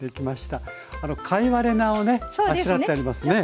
貝割れ菜をねあしらってありますね。